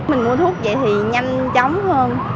mình mua thuốc vậy thì nhanh chóng hơn